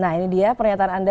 nah ini dia pernyataan anda